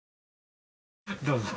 ・どうぞ。